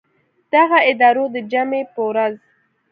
دغه ادارو د جمعې په ورځ